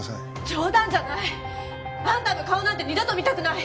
冗談じゃない！あんたの顔なんて二度と見たくない！